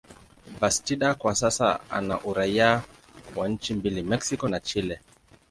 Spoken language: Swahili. Bastida kwa sasa ana uraia wa nchi mbili, Mexico na Chile.